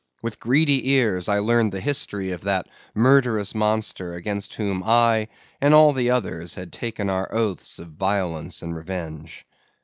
With greedy ears I learned the history of that murderous monster against whom I and all the others had taken our oaths of violence and revenge.